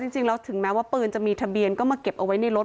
จริงแล้วถึงแม้ว่าปืนจะมีทะเบียนก็มาเก็บเอาไว้ในรถ